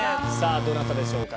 どなたでしょうか？